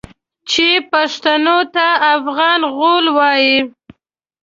چې پښتنو ته افغان غول وايي.